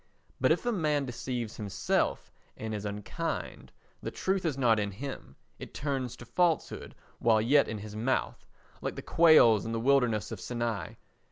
But if a man deceives himself and is unkind, the truth is not in him, it turns to falsehood while yet in his mouth, like the quails in the wilderness of Sinai.